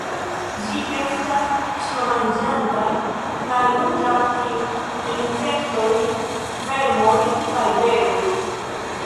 Ĝi estas ĉiomanĝanta, kaj nutras sin el insektoj, vermoj kaj beroj.